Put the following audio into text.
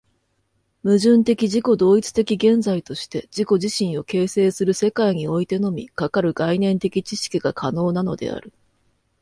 矛盾的自己同一的現在として自己自身を形成する世界においてのみ、かかる概念的知識が可能なのである。